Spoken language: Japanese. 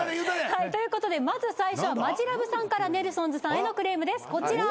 はいということでまず最初はマヂラブさんからネルソンズさんへのクレームですこちら。